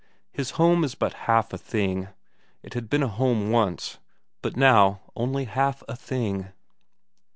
His home is but half a thing; it had been a home once, but now only half a thing.